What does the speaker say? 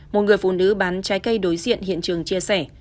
một người phụ nữ bán trái cây đối diện hiện trường chia sẻ